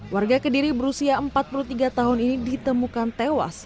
warga kediri berusia empat puluh tiga tahun ini ditemukan tewas